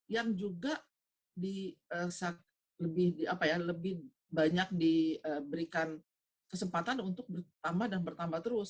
yang juga lebih banyak diberikan kesempatan untuk bertambah dan bertambah terus